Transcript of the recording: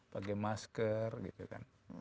pakai masker gitu kan